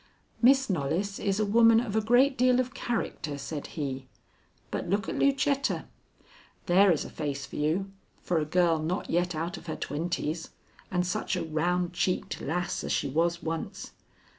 "Miss Knollys is a woman of a great deal of character," said he. "But look at Lucetta. There is a face for you, for a girl not yet out of her twenties; and such a round cheeked lass as she was once!